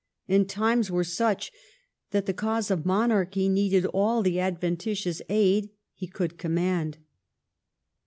And times were such that the cause of Monarchy needed all the adventitious aid he could command.